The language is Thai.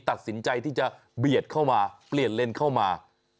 ตัดสินใจที่จะเบียดเข้ามาเปลี่ยนเลนเข้ามา